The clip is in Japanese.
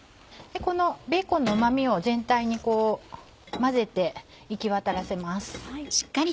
このベーコンのうま味を全体にこう混ぜて行きわたらせます。